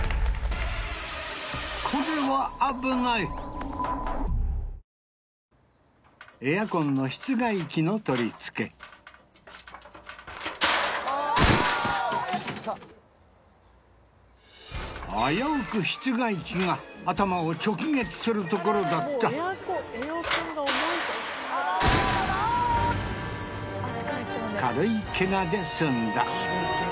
これはエアコンの室外機の取り付け危うく室外機が頭を直撃するところだった軽いケガですんだ